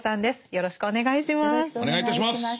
よろしくお願いします。